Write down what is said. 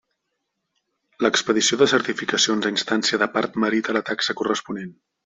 L'expedició de certificacions a instància de part merita la taxa corresponent.